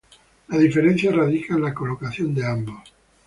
La diferencia radica en la colocación de ambos.